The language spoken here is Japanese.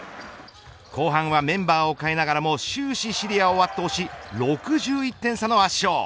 後半はメンバーを変えながらも終始シリアを圧倒し６１点差の圧勝。